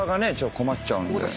困っちゃうんで。